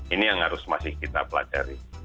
ini yang harus masih kita pelajari